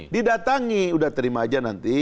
didatangi udah terima aja nanti